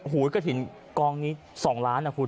กระถิ่นกองนี้๒ล้านนะคุณ